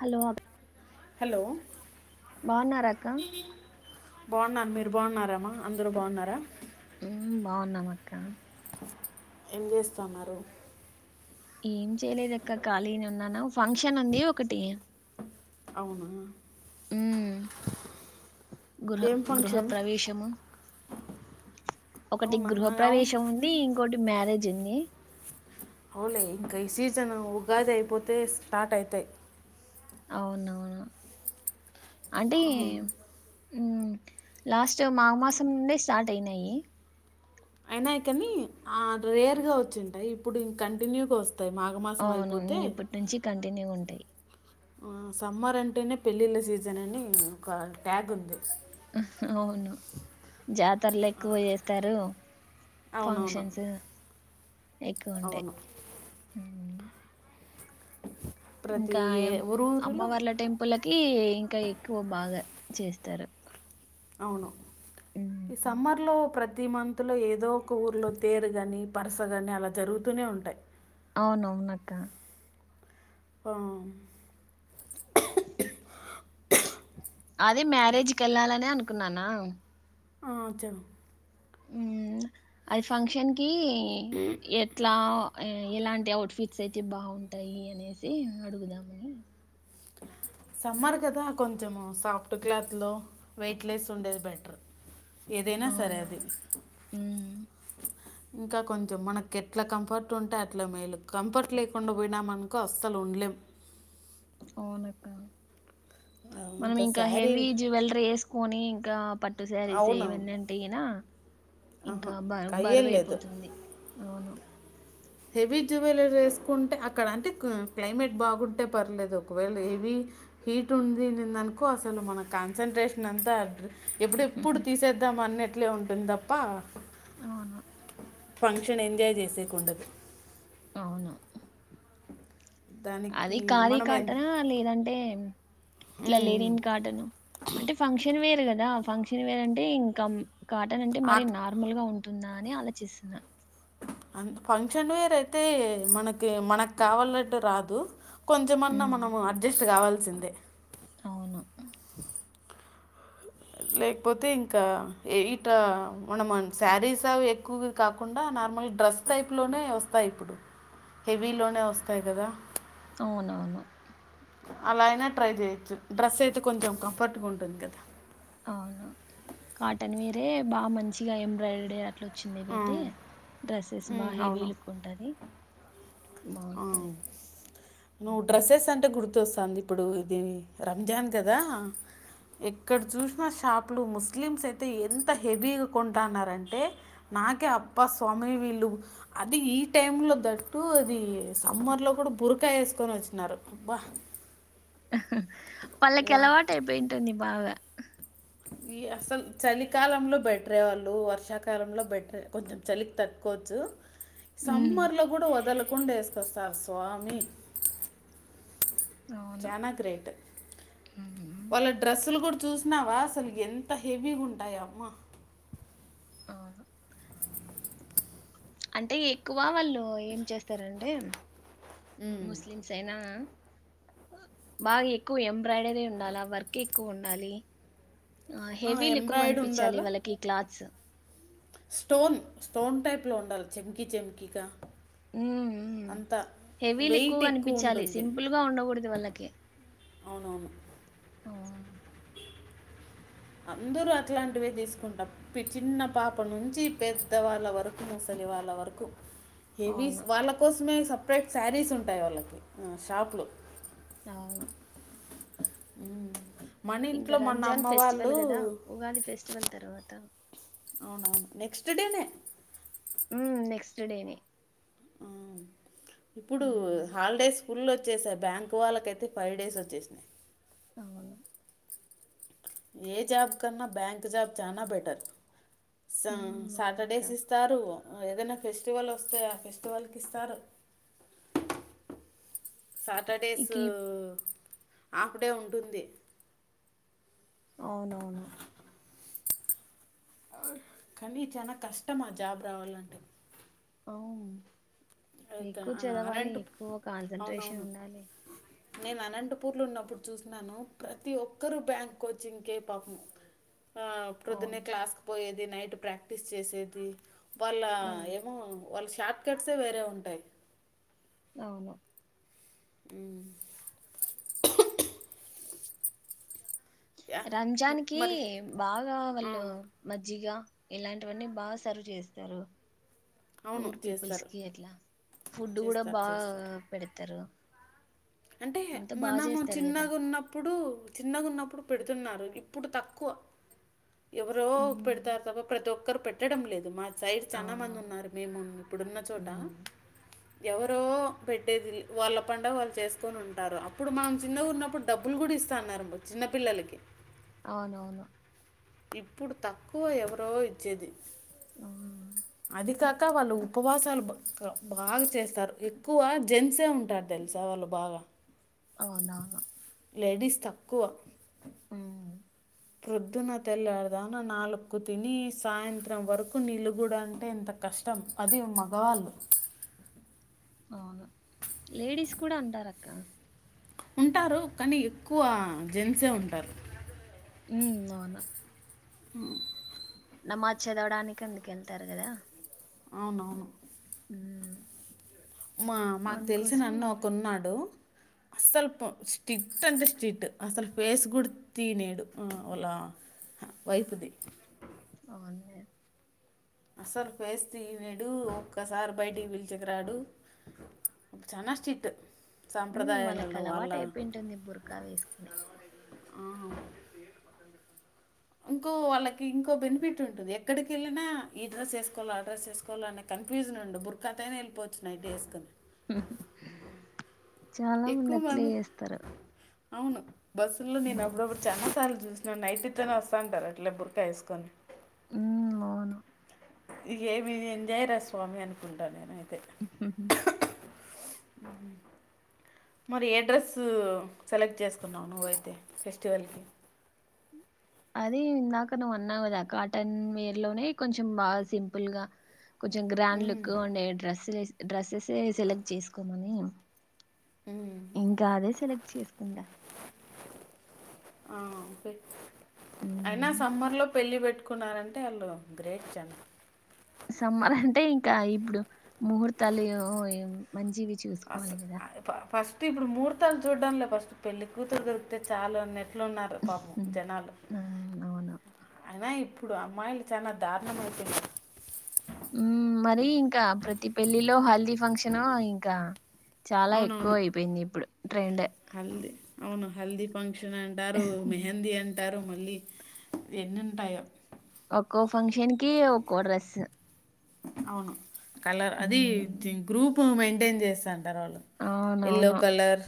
Hello hello బాగున్నారాక్క బాగున్నారు మీరు బాగున్నారామ్ అందరుూ బాగున్నారా బాగున్నామ అక్క ఏం చేస్తున్నారు ఏం చేయలేదక్క ఖాళీని ఉన్నాను ఫంక్షన్ ఉంది ఒకటి అవునా హ గృహ ఏం గృహ ఫంక్షన్ ప్రవేశము ఒకటి అవునా గృహ ఆ, అవును ప్రవేశం ఉంది ఇంకోటి మ్యరజ ఎన్ని అవులే ఇంకా ఈ సీజన్ ఉగాది అయిపోతే స్టార్ట్ అయితాయి అవునువును అంటే లాస్ట్ మాఘమాసం నుండే స్టార్ట్ అయినాయి అయినాయి కానీ ఆ రేర్ గా వచ్చింటాయి ఇప్పుడు ఇంక కంటిన్యూగా వస్త అవును ఇప్పటి నుంచి కంటిన్యూ ఉంటాయి సమ్మర్ అంటేనే పెళ్ళిళ్ళ సీజన్ అని ఒక ట్యాగ్ ఉంది అవును జాతరలు ఎక్కువ చేేస్తారు అవునవును ఫంక్షన్స్ ఎయికు ఉంటే అవును ప్రతి ఇంకా ఏ- ఊరు ఊరిలో అమ్మవార్ల టెంపుల్లకి ఇంకా ఎక్కువ బాగా చేస్తారు అవును ఈ ఉమ్. సమ్మర్లో ప్రతి మంత్లో ఏదో ఒక ఊర్లో తేరు కాని పరుస కాని అలా జరుగుతూనే ఉంటాయ్ అవునవునక్క ఆ అదే మ్యారేజ్కేళ్లాలనే అనుకున్నానా ఆ చలు ఉమ్ అది ఫంక్షన్ కి కీ ఎట్లా ఆ ఎలాంటి అవుట్ ఫిట్స్ అయితే బాగుంటాయి అనేసి అడుగుదామని సమ్మర్ కదా కొంచెము సాఫ్ట్ క్లాత్లో వెయిట్లెస్ ఉండేది బెటర్ ఏదైనా సరే అది అవునవును ఉమ్, ఇంకా కొంచెం మనకెట్లా కంఫర్ట్ ఉంటే అట్లా మేలు కంఫర్ట్ లేకుండా పోయినామనుకో అస్సలు ఉండలేం అవునక్క ఆ, మనం ఇంకా హెవీ శారీలు జువెల్రీ వేసుకొని గాప్ టు శారీస్ అవునవును ఇవన్నీ అంటే గినా ఆహా ఇంకా బరు అయ్యేం లేదు బరువుపోతుంది లోను హెవీ జ్యువెలరేసుకుంటే అక్కడ అంటే క క్లైమేట్ బాగుంటే పర్లేదు ఒకవేళ హెవీ హీట్ ఉంది దనుకో అసలు మన కాన్సన్ట్రేషన్ అంతా ఎప్పుడెప్పుడు తీసేద్దాం అన్న ట్లే ఉంటుందప్ప అవును ఫంక్షన్ ఎంజాయ్ చేసేకుండదు అవును అది దానికి ఖాదీ మనం ఎన్- కాటనా లేదంటే ఇట్లా ఉమ్, లేనిన్ కాటన అంటే ఫంక్షన్ వేర ద ఫంక్షన్ వేరంటే ఇంకం కాటన్ అంటే ఆ- మరి నార్మల్ గా ఉం ఉందా అని ఆలోచిస్తున్నా అంత్ ఫంక్షన్ వేర్ అయితే మనకి మనకావాలట్టు రాదు కొంచెమన్న మనం అడ్జస్ట్ కావ చిందే అవున లేకపోతే ఇంకా ఇట మనం శారీస్ అవి ఎక్కువ కాకుండా నార్మల్గా డ్రెస్ టైప్లోనే వస్తాయి ఇప్పుడు హెవీలోనే వస్తాయి కదా అవునవును అలా అయినా ట్రై చేయొచ్చు డ్రెస్ అయితే కొంచెం కంఫర్ట్గుం ఉంటుంది కదా అవునా కాటన్ వేరే బా మంచిగా ఎంబ్రాయిడ వచ్చిందివైతే ఉమ్, డ్రెస్సెస్ ఉమ్, బాహేవీ అవును లుక్ ఉంటది ఆ బాగుంటది నువ్వు ఉహు. డ్రెస్సెస్ అంటే గుర్తొస్ ది ఇప్పుడు ఇది రంజాన్ కదా ఎక్కడ చూసినా షాపులు ముస్లిమ్స్ అయితే ఎంత హెవీగ కొంటన్నారంటే నాకే అబ్బ స్వామి వీళ్ళు అది ఈ టైంలో దట్టు అది సమ్మర్లో కూడా బురకా ఎసుకొని వచ్చినారు బా వాళ్ళకి అలవాటైపోయింటుంది బాగా ఈ అసలు చలికాలంలో బెటరే వాళ్ళు వర్షాకాలంలో బెటర కొంచెం చలికి తక్క్కోవచ్చు ఉమ్ సమ్మర్ లో కూడా వదలు హుండా వేసుకొస్తారు స్వామి అవును చనా గ్రేట్ ఉమ్ వాళ్ళ డ్రెస్సులు కూడా చూసినావా అసలు ఎంత హెవీ ఉంటాయామ్మా అవు అంటే ఎక్కువ వాళ్ళు ఏం చేస్తారంటే ఉమ్. ముస్లిమ్స్ అనా బాగా ఎక్కువ ఎంబ్రాయిడరీ ఉండాలా వర్క్ ఎక్కువ ఉండాలి ఆ హెవీలు ఎక్కువగా ఎంబ్రాయిడ్ కనిపించాలి ఉండాలి వాళ్ళకి క్లాత్స్ స్టోన్ స్టోన్ టైప్లో ఉండాలి చెంకిీ చెంకీగా ఉ హెవీలు వెయిట్ ఎక్కువగా ఎక్కువ అనిపించాలి ఉంటుంది సింపుల్ గా ఉండకూడదు వాళ్ళకే అవునవును ఆ అందరూ అట్లాంటివే తీసుకుంటాం చిన్న పాప నుంచి పెద్ద వాళ్ళ వరకు ముసలి వాళ్ళ వరకు హెవీసు అవును వాళ్ళ కోసమే సపరేట్ శారీస్ ఉంటాయి వాళ్ళకి షాప్లు అవును ఉ ఇంకా రంజాన్ ఫెస్టివల్ కదా ఉగాది ఫెస్టివల్ తర్వాత అవునవును నెక్స్ట్ డేనే హ్మ్మ్ నెక్స్ట్ డేనే అవును ఇప్పుడు హాలిడేస్ ఫుల్ వచ్చేసాయి బ్యాంక్ వాళ్ళకైతే ఫైవ్ డేస్ వచ్చేసినాయి అవును ఏ జాబ్ కన్నా బ్యాంక్ జాబ్ చనా బెటర్ స ఉమ్, అవునక్క సాటర్డేస్ ఇస్తారు ఏదైనా ఫెస్టివల్ వస్తే ఆ ఫెస్టివల్కి ఇస్తారు ఇక సాటర్డేసు ఈ- ఆఫ్ డే ఉంటుంది అవునవును కానీ చాలా కష్టం ఆ జాబ్ రావాలంటే అవును ఇక ఎక్కువ చదవాలి అనంత ఎక్కువ కాన్సన్ట్రేషన్ అవునవును ఉండాలి నేను అనంతపూర్లో ఉన్నప్పుడు చూసాను ప్రతి ఒక్కరు బ్యాంక్ కోచ్చింగకే పాపము ఆ ప్రొద్దునే అవును క్లాస్ క పోయేది ది నైట్ ప్రాక్టీస్ చేసేది వాళ్ళ ఉమ్, ఏమో వాళ్ళ షార్ట్ కట్స్ేరే ఉం టాయి అవును ఆ యా రంజాన్ కి మరి బాగా ఆ, వాళ్ళు మజ్జిగా ఇలాంటివన్నీ బాగా సర్వ్ చేస్తారు అవును పూర్ పీపుల్స్ చేస్తారు కి అట్లా ఫుడ్ కూడా చేస్తారు బాగా చేస్తారు పెడతారు అంటే అంతా బాగా మనము చేస్తారు కదా చిన్నగా ఉన్నప్పుడు చిన్నగా ఉన్నప్పుడు పెడు అతున్నారు ఇప్పుడు తక్కువ ఎవరో ఉమ్ పెడతారు తప్ప ప్రతి ఒక్కరు పెట్టడం లేదు మా సైడ్ చాలా మంది అవునవును ఉన్నారు మేము ఇప్పుడున్న చోట ఉమ్ ఎవరో పెట్టేది వాళ్ళ పండగా వాళ్ళు చేస్త కొని ఉంటారు అప్పుడు మనం చిన్నగున్నపుడు డబ్బులు కూడా ఇస్తా ఉన్నారు చిన్న పిల్లలకి అవునవును ఇప్పుడు తక్కువ ఎవరో ఇచ్చేది ఆవును అది కాక వాళ్ళు ఉపవాసాలు బాగా చేస్తారు ఎక్కువ జెన్సే ఉంటారు తెలుసా వాళ్ళు బాగా అవునవును లేడీస్ తక్కువ హ ప్రొద్దున తెల్లడుదాన నాలుకు తిని సాయంత్రం వరకు నిలుగుడ అంటే ఎంత కష్టం అది మగవాళ్ళు అవును లేడీస్ కూడా అంటారు అక్క ఉంటారు కానీ ఎక్కువ జెన్సే ఉంటారు ఉ అవును హ నమాజ్ చదవడానికి అందుక వెళ్తారు కదా అవునవును ఉమ్ మా మాకు తెలిసిన అందుకోసం అన్న ఒకడు ఉన్నాడు అస్సలు స్టిరిక్ట్ అంటే స్ట్రిక్ట్ అసలు ఫేస్ కూడా తినిడు వాలా వైపుది అవును అస్సలు ఫేస్ తినిడు ఒక్కసారి బయటికి పిలిచకు రాడు చాల స్ట్రిక్ట్ ఉ వాళ్ళకి సాంప్రదాయాలలో వాళ్ళ అలవాటు అయిపోయి ఉంటుంది బురకా వేసుకున ఆ, ఇంకో వాళ్ళకి ఇంకో బెనిఫిట్ ఉంటుంది ఎక్కడికి వెళనా ఈ డ్రస్ వేసుకోవాలో ఆడ్రస్సుకోలో అనే కన్ఫ్యూజన్ ఉండడు బుర్కాాతయినా వెళ్ళిపోవచ్చు నైటీ వేసుకొని [unintelligible] చాలా మంది అట్లే చేస్తారు అవును బస్సు లో నేను హ్మ్ అప్పుడప్పుడు చాలా సార్ చూసినా నైటీతోనే వస్తా అంటారు అట్లా బురకా వేసుకొని ఉ అవును ఇ ఏమి ఎంజాయరా స్వామి అనుకుంటాను నేనుయి మరి ఏడ్రెస్ సెలెక్ట్ చేసుకున్నావు నువ్వైతే ఫెస్టివల్కి అది ఇందాక నువ్వు అన్నావు కదా కాటన్ వేర్ లోనే కొంచెం బాగా సింపుల్ గా కొంచెం గ్రాండ్ లుక్గా ఉండే డ్రెస్సులు డ్రస్సెస్ స సెలెక్ట్ చేసుకోమని ఇంకా అదే సెలెక్ట్ చేస్కుండా ఆ ఫే అయినా హ్మ్. సమ్మర్ లో పెళ్ళి పెట్టుకున్నారంటే వాళ్ళు గ్రేట్ జం సమ్మర్ అంటే ఇంకా ఇప్పుడు ముహూర్తాలు ఏ వో మంచివి చూసుకోవాలి అసలు కదా ఫస్ట్ ఇప్పుడు ముహూర్తాలు చూడడం లే ఫస్ట్ పెళ్లి కూతురు దొరికితే చాలా అన్న ఇట్లు ఉన్నారు పాపం హ్మ్. జనాలు అవును. అయినా ఇప్పు ఇప్పుడు అమ్మాయిలు చాలా దారుణమవుతున్నారు మరి ఇంకా ప్రతి పెళ్లిలో హల్దీ ఫంక్షన్ ఇంకా చాలా ఎక్కువ అవునవును అయిపోయింది ఇప్పుడు ట్రెండ్ హల్దీ అవును హల్ది పంక్ షన్ అంటారు మెహందీ అంటారు పట్టారు మళ్ళీ ఎన్ని ఉంటాయో ఒక్కో ఫంక్షన్ కి ఒక్కో డ్రెస్ అవును కలర్ అది హ్మ్. గ్రూప్ మం టైన్ చేశాను పర్వాలు ఎల్లో అవునవును కలర్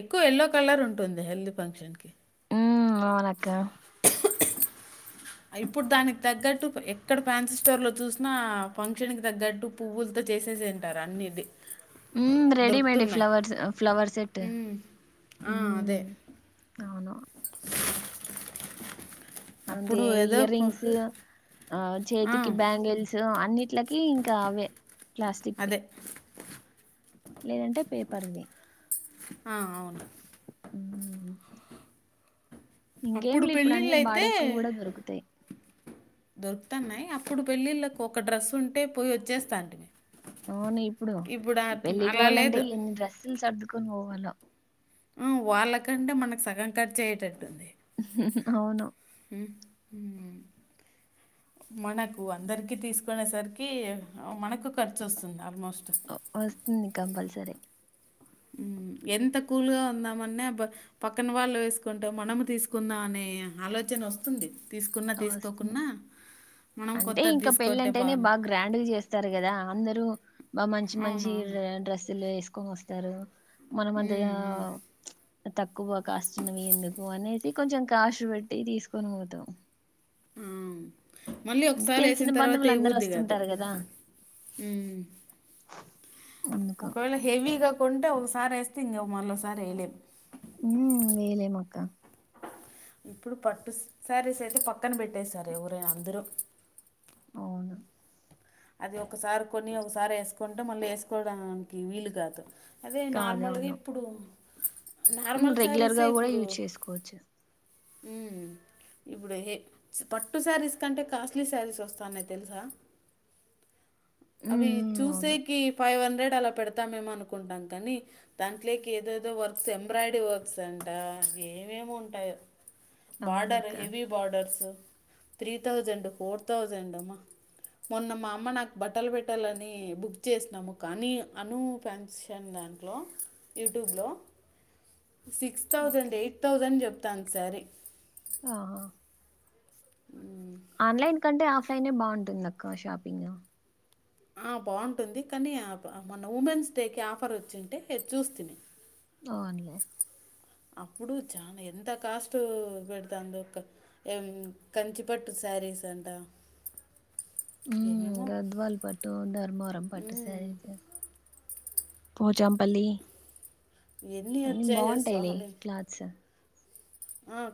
ఎక్కువ ఎల్లో కలర్ ఉంటుంది హెల్ది ఫంక్షన్ కి ఉ అవునక్క ఇప్పుడు దానికి తగ్గట్టు ఎక్కడ ఫ్యాన్సీ స్టోర్ లో చూసినా ఫంక్షన్ కి తగ్గట్టు పువ్వులతో చేసేసి తింటారు అన్నిది ఉ రెడిమేడ్ ఫ్లవర్స్ ఫ్లవర్ సెట్ మ్మ్. ఆ, మ్ అదే అవును అదే అప్పుడు ఏదో ఇయర్ ప- రింగ్స్ ఆ ఆ, చేతికి బ్యాంగిల్స్ ఇట్లకి ఇంకా అవే ప్లాస్టిక్వె అదే లేదంటే పేపర్వి ఆ అవును అ అప్పుడు ఇంకేంలే ఇప్పుడు అన్ని పెళ్ళిళ్ళు అయితే బాడకు కూడా దొరుకుతాయి [unintelligible] అప్పుడు పెళ్ళిళ్ళలకు ఒక డ్రెస్ ఉంటే పోయి వచ్చేస్తాంటిమి అవును ఇప్పుడు ఆ- పెళ్లి అలా పోవాలంటే లేదు ఎన్ని డ్రస్సులు సర్దు కుని పోవాల [unintelligible] ఆ వాళ్ళకంటే మనకు సగం కార్చే అయితది అవును మనకు అందరికి తీసుకునేసరికి మనకు ఖర్చు వస్తుంది ఆల్మోస్ట్ వస్తుంది కంపల్సరీ ఎంత కూల్గా ఉందామన్న పక్కన వాళ్ళు వేసుకుంటాం మనం తీసుకుందాం అనే ఆలోచన వస్తుంది తీసుకున్నా వస్తుంది తీసుకోకున్నా మనం అంటే కొత్తది ఇంకా పెళ్ళి తీసుకుంటే అంటేనే బాగుంది బాగా గ్రాండ్గా చేస్తారు కదా అందరూ బాగా మంచి మంచి డ్రస్సులు వేసు [unintelligible] వస్తారు మన మధ్యలా అవునవును తక్కువ కాష్టున్నవి ఎందుకు అనేసి కొంచెం కాస్ట్ పెట్టి తీసుకొని పోతాం అవును. మళ్ళీ అంటే ఒకసారి వేసిన తెలిసిన తర్వాత బంధువులందరూ వెయ్యబుద్ది కాదు వస్తుంటారు గదా! అందుకు. ఒకవేళ హెవీగా కొంటే ఒకసారి వేస్తే ఇంక మళ్ళసారి వేయలేము ఉ వేయలేమాక్కా ఇప్పుడు పట్టు శారీస్ అయితే పక్కన పెట్టేస్తారు ఎవరైనా అందరూ అవును అది ఒకసారి కొని ఒకసారి వేసుకుంటే మళ్ళీ వేసుకోవడానికి వీలు కాదు అదే నార్మల్గా ఇప్పుడు నార్మల్ రెగ్యులర్ గా శారీసే కూడా ఇప్పుడు యూజ్ చేసుకోవచ్చు ఇప్పుడు ఏ పట్టు శారీస్ కంటే కాస్ట్లీ శారీస్ వస్తాన్నాయి తెలుసా [unintelligible] హ్మ్. హ్మ్. అవును. అలా పెడతామేమో అనుకుంటాం కానీ దాంట్లోకి ఏదేదో వర్క్స్ ఎంబ్రాయిడరీ వర్క్స్ అంట ఏమేమి ఉంటాయో బార్డర్ అవునక్క. Heavy borders three thousand four thousand అ మొన్న మా అమ్మ నాకు బట్టలు పెట్టాలని బుక్ చేసినాము కానీ అనూ ఫ్యాన్క్షన్ దాంట్లో యూట్యూబ్లో six okay. Thousand eight thousand చెప్ తాంది సారీ ఆహా ఎందుకంటే ఆఫ్లైనె బాగుంటుంది అక్క షాపింగ్ బాగుంటుంది కానీ మన ఉమెన్స్ డేకి ఆఫర్ వచ్చింటే చూస్తని అవునలే అప్పుడు చాలా ఎంత కాస్ట్ పెడతాందొ అక్క కంచిపట్టు శారీస్ అంట ఉ ఏమేమో గద్వాల్ పట్టు ధర్మవరం పం పట్టు మ్మ్. సారీ పోచంపల్లి ఎన్ని అన్నిీ వచ్చాయో బాగుంటాయిలే స్వామి క్లాత్స్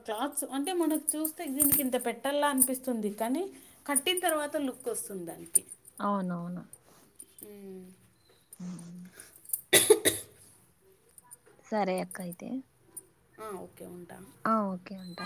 క్లాత్స్ అంటే మనకు చూస్తే దీనికి ఇంత పెట్టాల అనిపిస్తుంది కానీ కట్టిన తర్వాత లుక్ వస్తుంది దానికి అవునవును మ్మ్. ఉమ్. సరే అక్కయితే ఆఓ కే ఉంటాం ఉంటా